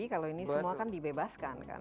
kalau ini semua kan dibebaskan kan